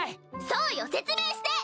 そうよ説明して！